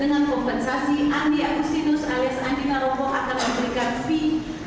dengan kompensasi andi agustinus alias andi narogo akan memberikan fee